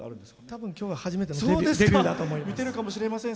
多分今日が初めてのデビューかもしれません。